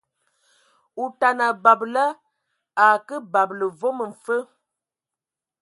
Otana, babela a a akǝ babǝla vom mfǝ.